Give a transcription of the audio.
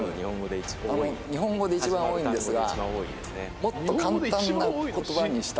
日本語で一番多いんですが。